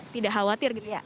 tidak khawatir itu ya